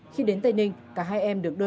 khi đến tây ninh cả hai em được đưa